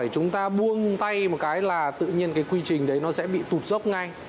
chúng ta buông tay một cái là tự nhiên cái quy trình đấy nó sẽ bị tụt dốc ngay